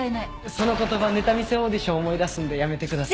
その言葉ネタ見せオーディション思い出すんでやめてください。